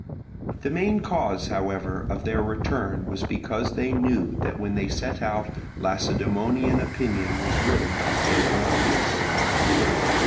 The main cause however of their return was because they knew that when they set out Lacedaemonian opinion was really in favour of peace.